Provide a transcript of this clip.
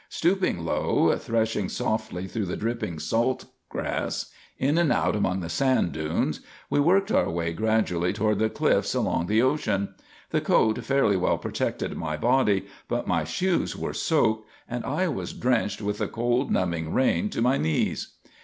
Stooping low, threshing softly through the dripping salt grass, in and out among the sand dunes, we worked our way gradually toward the cliffs along the ocean. The coat fairly well protected my body, but my shoes were soaked and I was drenched with the cold, numbing rain to my knees.